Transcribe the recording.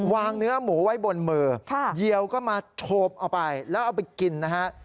เนื้อหมูไว้บนมือเดียวก็มาโฉบเอาไปแล้วเอาไปกินนะฮะ